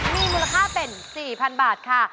มีมูลค่าเป็น๔๐๐๐บาทค่ะ